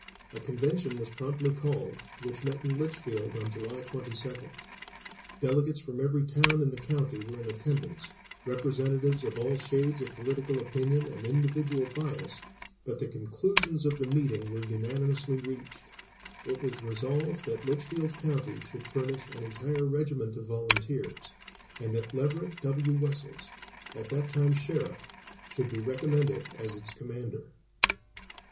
A convention was promptly called, which met in Litchfield on July 22nd; delegates from every town in the county were in attendance, representatives of all shades of political opinion and individual bias, but the conclusions of the meeting were unanimously reached. It was resolved that Litchfield County should furnish an entire regiment of volunteers, and that Leverett W. Wessells, at that time Sheriff, should be recommended as its commander.